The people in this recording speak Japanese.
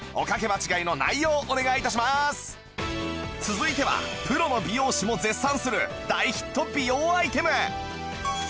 続いてはプロの美容師も絶賛する大ヒット美容アイテム